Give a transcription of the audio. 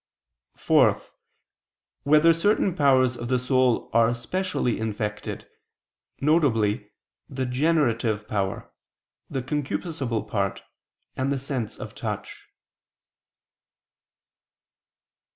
(4) Whether certain powers of the soul are specially infected, viz. the generative power, the concupiscible part, and the sense of touch?